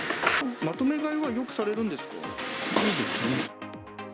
まとめ買いはよくされるんでそうですね。